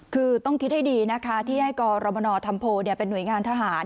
คือต้องคิดให้ดีนะคะที่ให้กรมนธรรมโพเป็นหน่วยงานทหาร